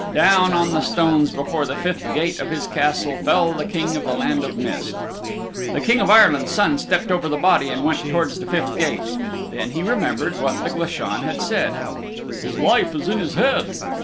Down on the stones before the fifth gate of his Castle fell the King of the Land of Mist. The King of Ireland's Son stepped over the body and went towards the fifth gate. Then he remembered what the Glashan had said, "His life is in his head."